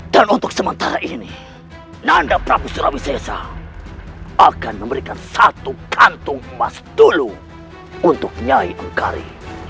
dan untuk sementara ini nanda prabesur rawisesa akan memberikan satu kantong emas dulu untuk nyai engkari